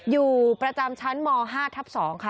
อยู่ประจำชั้นม๕ทับ๒ค่ะ